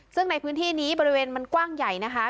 ซึ่งในพื้นที่นี้บริเวณมันกว้างใหญ่นะคะ